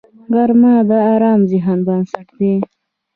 غرمه د ارام ذهن بنسټ دی